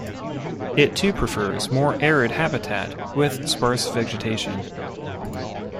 It too prefers more arid habitat with sparse vegetation.